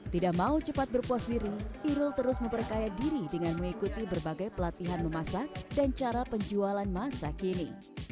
tidak mau cepat berpuas diri irul terus memperkaya diri dengan mengikuti berbagai pelatihan memasak dan cara penjualan masa kini